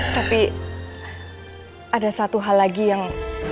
tapi ada satu hal lagi yang